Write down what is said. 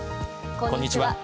こんにちは。